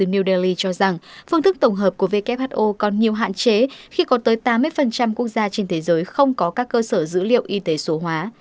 new delhi cho rằng phương thức tổng hợp của who còn nhiều hạn chế khi có tới tám mươi quốc gia trên thế giới không có các cơ sở dữ liệu y tế số hóa